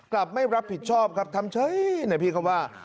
กลับไม่รับผิดชอบครับทำเฉยนะพี่คำว่า